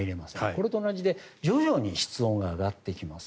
これと同じで徐々に室温が上がってきます。